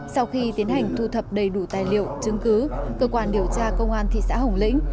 sau khi tiến hành thu thập đầy đủ tài liệu chứng cứ cơ quan điều tra công an thị xã hồng lĩnh